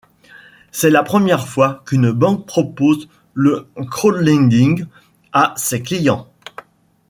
C'est la première fois qu'une banque propose le crowdlending à ses clients.